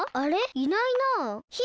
いないの？